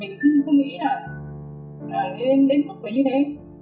mình cũng không nghĩ là đến mức như thế